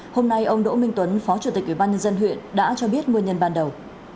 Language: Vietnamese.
hôm nay ông đỗ minh tuấn phó chủ tịch ubnd huyện đã cho biết nguyên nhân ban đầu